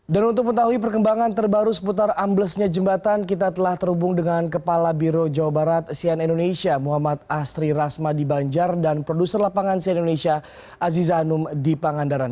dan untuk mengetahui perkembangan terbaru seputar amblesnya jembatan kita telah terhubung dengan kepala biro jawa barat sian indonesia muhammad asri rasma di banjar dan produser lapangan sian indonesia azizanum di pangandaran